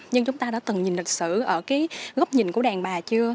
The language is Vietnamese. nhưng chúng ta đã từng nhìn lịch sử ở cái góc nhìn của đàn bà chưa